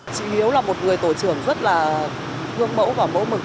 chị hiếu là một người tổ trưởng rất là gương mẫu và mẫu mực